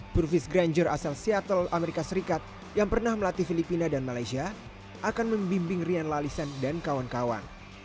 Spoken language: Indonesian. turfis graner asal seattle amerika serikat yang pernah melatih filipina dan malaysia akan membimbing rian lalison dan kawan kawan